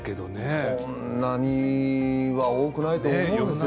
そんなには多くないと思いますよ。